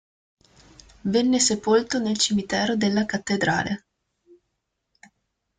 Venne sepolto nel cimitero della cattedrale.